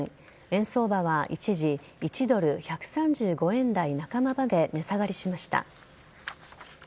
円相場は一時１ドル１３５円台半ばまで値下がりしました。